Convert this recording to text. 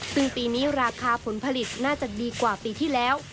ซึ่งปีนี้ราคาผลผลิตน่าจะดีกว่าปีที่แล้ว